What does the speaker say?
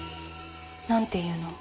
何ていうの？